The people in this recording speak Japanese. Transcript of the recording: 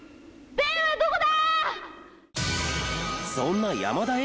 ベンはどこだ！